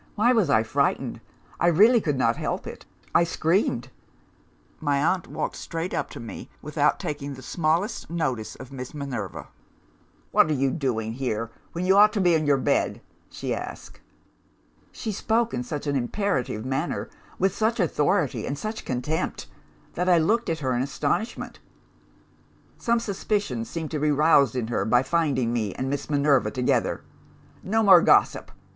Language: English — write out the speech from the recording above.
Why was I frightened? I really could not help it I screamed. My aunt walked straight up to me, without taking the smallest notice of Miss Minerva. 'What are you doing here, when you ought to be in your bed?' she asked. "She spoke in such an imperative manner with such authority and such contempt that I looked at her in astonishment. Some suspicion seemed to be roused in her by finding me and Miss Minerva together. "No more gossip!